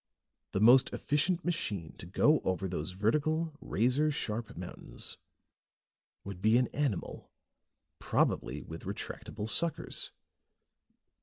The most efficient machine to go over those vertical, razor sharp mountains would be an animal, probably with retractable suckers.